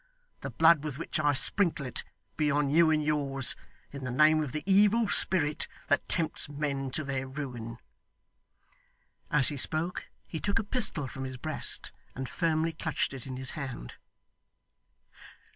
The blood with which I sprinkle it, be on you and yours, in the name of the Evil Spirit that tempts men to their ruin!' As he spoke, he took a pistol from his breast, and firmly clutched it in his hand.